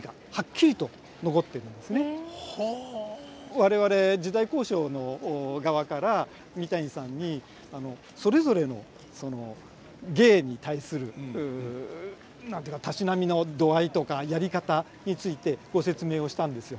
我々時代考証の側から三谷さんにそれぞれの芸に対する何て言うかたしなみの度合いとかやり方についてご説明をしたんですよ。